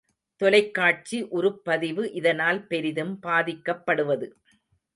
தொலைக்காட்சி உருப்பதிவு இதனால் பெரிதும் பாதிக்கப்படுவது.